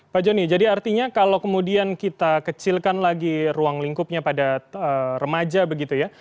pak joni jadi artinya kalau kemudian kita kecilkan lagi ruang lingkupnya pada remaja begitu ya